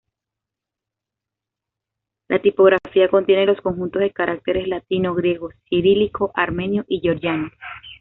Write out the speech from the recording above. La tipografía contiene los conjuntos de caracteres latino, griego, cirílico, armenio y georgiano.